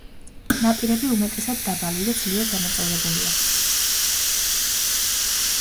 ნაპირები უმეტესად დაბალი და ძლიერ დანაწევრებულია.